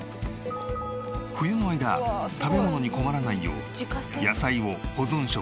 冬の間食べ物に困らないよう野菜を保存食や調味料に加工。